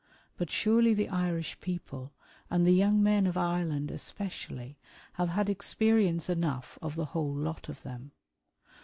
But surely the Irish people and the young men of Ireland especially, have had experience enough of the wUole lot of them.